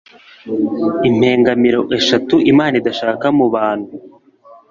impengamiro eshatu Imana idashaka mu bantu